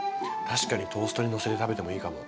確かにトーストにのせて食べてもいいかも。